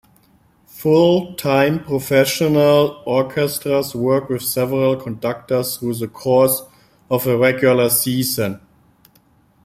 Full-time professional orchestras work with several conductors through the course of a regular season.